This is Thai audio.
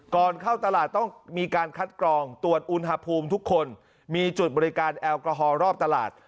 ก่อนเข้าตลาดต้องมีการคัดกรองตรวจอุณหภูมิทุกคนมีจุดบริการแอลกอฮอล์รอบตลาด